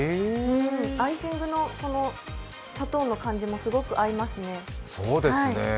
アイシングの砂糖の感じもすごく合いますね。